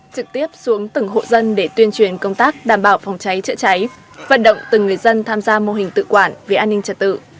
trực tiếp xuống từng hộ dân để tuyên truyền công tác đảm bảo phòng cháy chữa cháy vận động từng người dân tham gia mô hình tự quản về an ninh trật tự